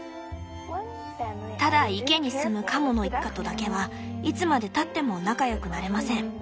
「ただ池に住むカモの一家とだけはいつまでたっても仲良くなれません。